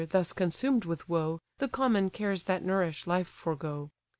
thus consumed with woe, The common cares that nourish life forego.